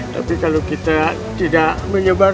tapi kalau kita tidak menyebar